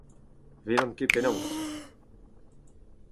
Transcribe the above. Ne welan ket penaos.